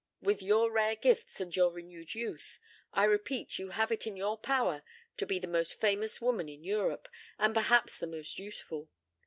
With your rare gifts and your renewed youth, I repeat you have it in your power to be the most famous woman in Europe, and perhaps the most useful.